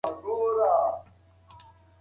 د پوهنې په رڼا کې د ټولنې تیاره له منځه ځي.